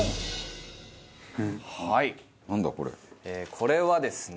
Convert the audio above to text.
これはですね